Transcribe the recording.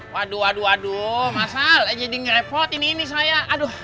waduh waduh waduh masal jadi ngerepot ini ini saya aduh